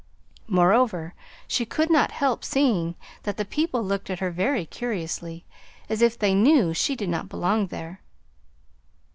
Moreover, she could not help seeing that the people looked at her very curiously, as if they knew she did not belong there.